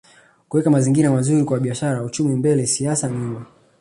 Kuweka mazingira mazuri kwa biashara uchumi mbele siasa nyuma